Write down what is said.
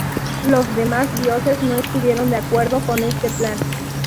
Los demás dioses no estuvieron de acuerdo con este plan.